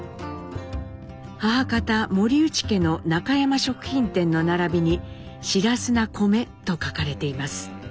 母方森内家の中山食品店の並びに「白砂米」と書かれています。